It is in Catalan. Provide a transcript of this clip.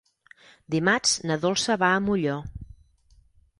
Dimarts na Dolça va a Molló.